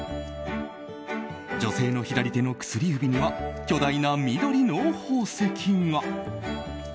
女性の左手の薬指には巨大な緑の宝石が。